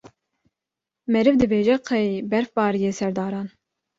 meriv dibêje qey berf bariye ser daran.